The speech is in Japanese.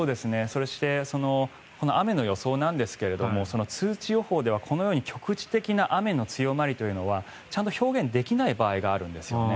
そして、雨の予想なんですけども通知予報では局地的な雨の強まりというのはちゃんと表現できない場合があるんですね。